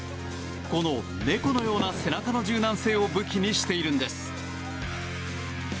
この猫のような背中の柔軟性を武器にしているんです。